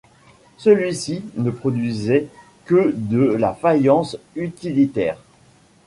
Celui-ci ne produisait que de la faïence utilitaire.